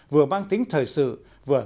vừa mang tính thời sự vừa